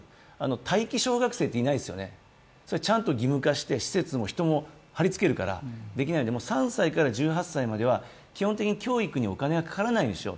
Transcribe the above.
待機小学生っていないですよね、ちゃんと義務化して、施設も人もはりつけるから３歳から１８歳までは基本的に教育にお金がかからないようにしよう。